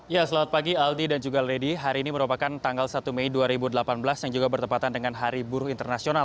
ya selamat pagi aldi dan juga lady hari ini merupakan tanggal satu mei dua ribu delapan belas yang juga bertepatan dengan hari buruh internasional